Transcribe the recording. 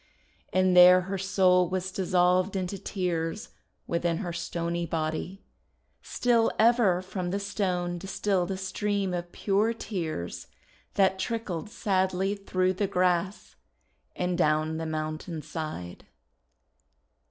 And there her soul was dissolved into tears within her stony body. Still ever from the stone distilled a stream of pure tears that trickled sadly through the grass and down the mountain side.